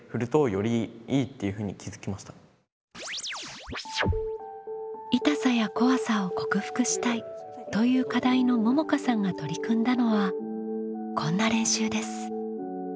どっちかというと「痛さや怖さを克服したい」という課題のももかさんが取り組んだのはこんな練習です。